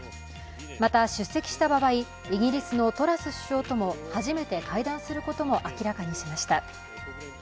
また出席した場合、イギリスのトラス首相とも初めて会談することも明らかにしました。